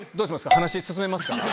話進めますか？